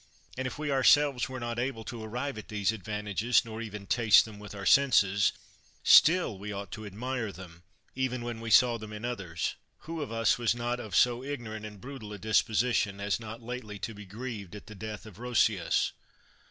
And if we ourselves were not able to arrive at these advantages, nor even taste them with our senses, still we ought to admire them, even when we saw them in others. Who of us was of so ignorant and brutal a disposition as not lately to be grieved at the death of Roscius?